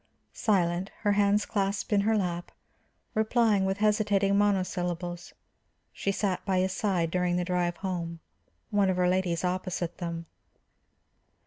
Silent, her hands clasped in her lap, replying with hesitating monosyllables, she sat by his side during the drive home, one of her ladies opposite them.